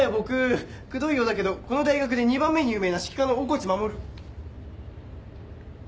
くどいようだけどこの大学で２番目に有名な指揮科の大河内守。